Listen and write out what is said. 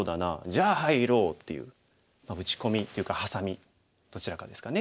じゃあ入ろう」っていう打ち込みっていうかハサミどちらかですかね。